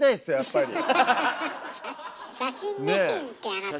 写真メインってあなた。